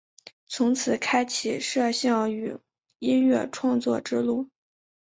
从此开启影像与音乐创作之路。